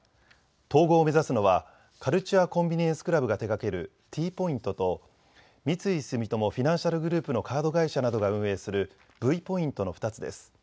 統合を目指すのはカルチュア・コンビニエンス・クラブが手がけるＴポイントと、三井住友フィナンシャルグループのカード会社などが運営するＶポイントの２つです。